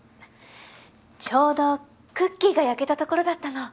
ちょうどクッキーが焼けたところだったの。